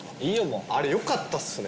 もうあれよかったっすね！